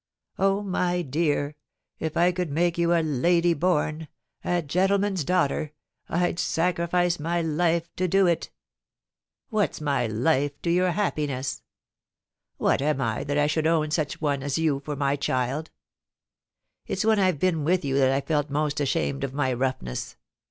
' Oh, my dear, if I could make you a lady born— a gentleman's daughter — I'd sacrifice my life to do it What's my life to your happiness? What am 424 POLICY AND PASSION. I that I should own such an one as you for my child? It's when IVe been with you that IVe felt most ashamed of my roughness.